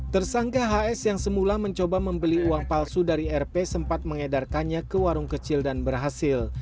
tersangka hs yang semula mencoba membeli uang palsu dari rp sempat mengedarkannya ke warung kecil dan berhasil